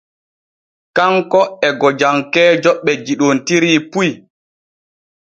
Kanko e gojankeeje ɓe yiɗontiri puy.